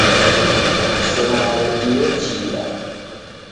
Kusemare iyo chia